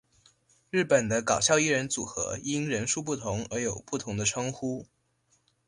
日本的搞笑艺人组合因人数不同而有不同的称呼。